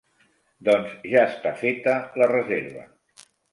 Doncs ja està feta la reserva.